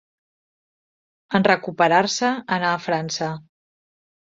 En recuperar-se anà a França.